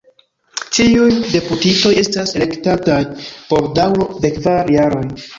Ĉiuj deputitoj estas elektataj por daŭro de kvar jaroj.